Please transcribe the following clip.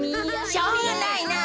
しょうがないなあ。